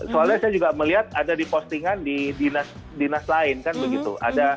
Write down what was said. soalnya saya juga melihat ada di postingan di dinas lain kan begitu